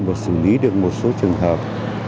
và xử lý được một số trường hợp